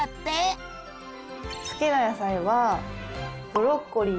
好きな野菜はブロッコリーか。